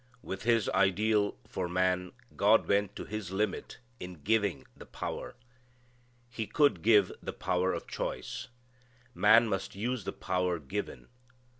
With His ideal for man God went to His limit in giving the power. He could give the power of choice. Man must use the power given.